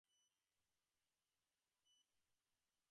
তাহলে জোরপূর্বক সিংহাসনে কেন ছিনিয়ে নিচ্ছ না?